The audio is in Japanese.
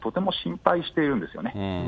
それは私たち、とても心配しているんですよね。